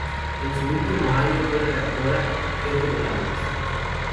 En su último año fue redactora jefe de la revista.